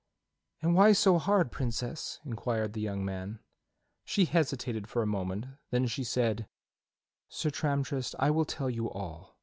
"And why so hard. Princess?" inquired the young man. She hesitated for a moment, then she said: "Sir Tramtrist, I will tell you all.